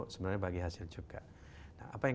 sebenarnya bagi hasil juga nah apa yang